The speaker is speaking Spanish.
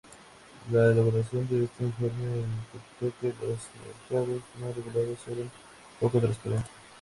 La elaboración de este informe detectó que los mercados no regulados eran poco transparentes.